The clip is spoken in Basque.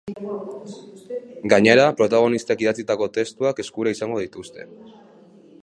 Gainera, protagonistek idatzitako testuak eskura izango dituzte.